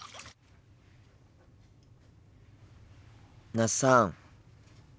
那須さん。